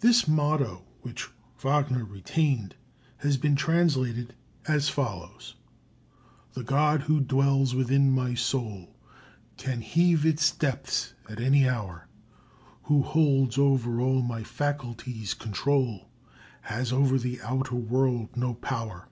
This motto, which Wagner retained, has been translated as follows: "The God who dwells within my soul Can heave its depths at any hour; Who holds o'er all my faculties control Has o'er the outer world no power.